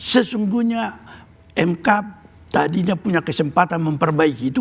sesungguhnya mk tadinya punya kesempatan memperbaiki itu